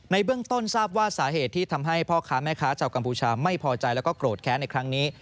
เบื้องต้นทราบว่าสาเหตุที่ทำให้พ่อค้าแม่ค้าชาวกัมพูชาไม่พอใจแล้วก็โกรธแค้นในครั้งนี้